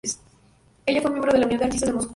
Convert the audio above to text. Ella fue miembro de la Unión de Artistas de Moscú.